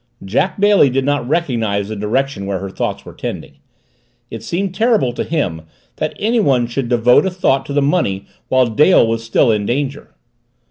Jack Bailey did not recognize the direction where her thoughts were tending. It seemed terrible to him that anyone should devote a thought to the money while Dale was still in danger.